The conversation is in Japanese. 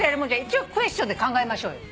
一応クエスチョンで考えましょうよ。